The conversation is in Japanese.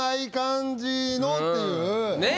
ねっ。